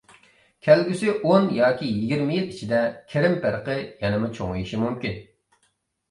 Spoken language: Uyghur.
كەلگۈسى ئون ياكى يىگىرمە يىل ئىچىدە، كىرىم پەرقى يەنىمۇ چوڭىيىشى مۇمكىن.